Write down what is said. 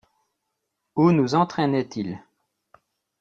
Où nous entraînait-il?